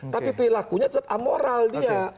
tapi perilakunya tetap amoral dia